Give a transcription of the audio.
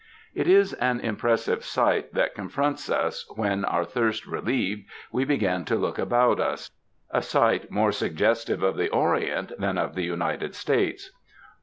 It is an impressive sight that confronts ns, when, our thirst relieved, we begin to look about us — a sight more suggestive of the Orient than of the United States.